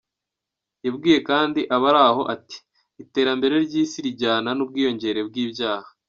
Yabwiye kandi abari aho ati,"Iterambere ry’isi rijyana n’ubwiyongere bw’ibyaha.